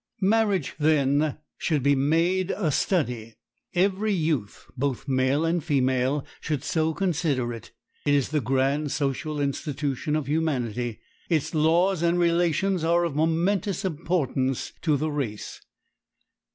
Marriage, then, should be made a study. Every youth, both male and female, should so consider it. It is the grand social institution of humanity. Its laws and relations are of momentous importance to the race.